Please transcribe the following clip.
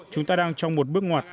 chúng ta đang trong một bước ngoặt